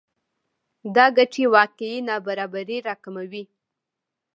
دا ګټې واقعي نابرابری راکموي